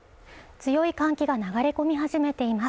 強い寒気が流れ込み始めています